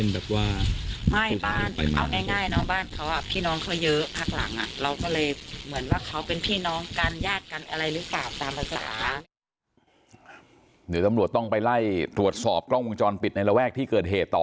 เดี๋ยวต้องไปไล่ตรวจสอบกล้องมุมจรปิดในระแวกที่เกิดเหตอ